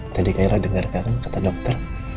tadi kaila dengar kata dokter